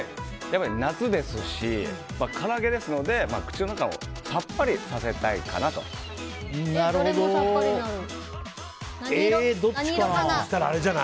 夏ですし、から揚げですので口の中をさっぱりさせたいかなと。どっちかな？